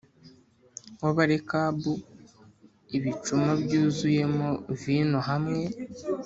w Abarekabu ibicuma byuzuyemo vino hamwe